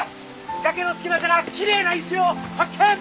崖の隙間からきれいな石を発見！